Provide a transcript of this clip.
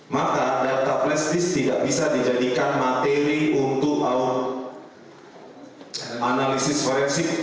maka data flash disk tidak bisa dijadikan materi untuk analisis forensik